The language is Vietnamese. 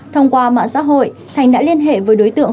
thông qua mạng xã hội thành đã liên hệ với đối tượng